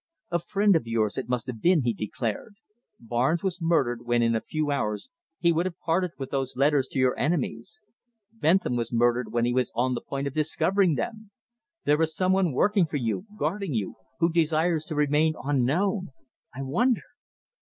"A friend of yours it must have been," he declared. "Barnes was murdered when in a few hours he would have parted with those letters to your enemies; Bentham was murdered when he was on the point of discovering them! There is some one working for you, guarding you, who desires to remain unknown. I wonder!"